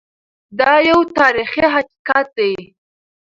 دا یو تاریخي حقیقت دی.